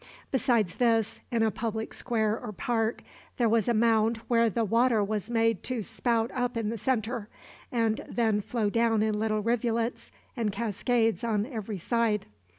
Besides this, in a public square or park there was a mound where the water was made to spout up in the centre, and then flow down in little rivulets and cascades on every side.